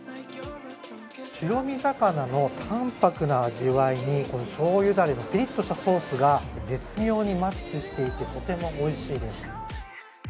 白身魚の淡泊な味わいにこのしょうゆだれのピリッとしたソースが絶妙にマッチしていてとてもおいしいです。